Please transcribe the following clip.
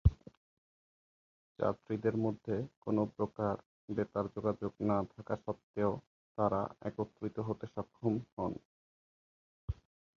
যাত্রীদের মধ্যে কোনো প্রকার বেতার-যোগাযোগ না থাকা সত্ত্বেও তাঁরা একত্রিত হতে সক্ষম হন।